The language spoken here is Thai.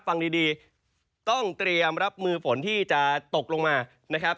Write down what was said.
ฟังดีต้องเตรียมรับมือฝนที่จะตกลงมานะครับ